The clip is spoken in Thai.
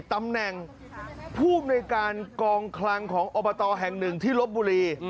ตำแหน่งผู้อำนวยการกองคลังของอบตแห่งหนึ่งที่ลบบุรี